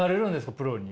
プロに。